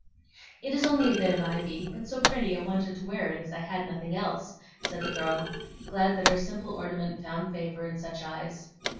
"It is only a bit of ivy, but so pretty I wanted to wear it, as I had nothing else," said the girl, glad that her simple ornament found favor in such eyes.